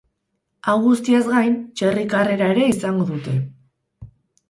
Hau guztiaz gain, txerri karrera ere izango dute.